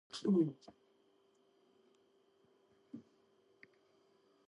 ეკუთვნის საქართველოს სპორტისა და ახალგაზრდობის საქმეთა სამინისტროს.